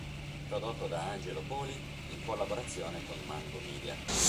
Prodotto da Angelo Poli in collaborazione con Mango Media.